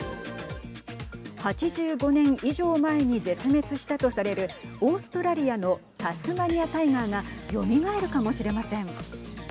８５年以上前に絶滅したとされるオーストラリアのタスマニア・タイガーがよみがえるかもしれません。